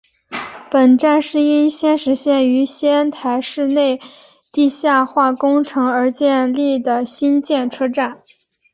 本站是因应仙石线于仙台市内地下化工程而设立的新建车站。